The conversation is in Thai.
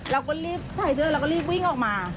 เราก็รีบถอยเทอร์เราก็รีบวิ่งออกมา